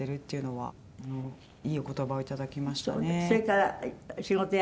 はい。